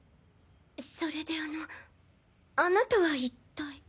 それであのあなたは一体？